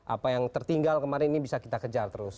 apa yang tertinggal kemarin ini bisa kita kejar terus